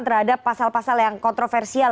terhadap pasal pasal yang kontroversial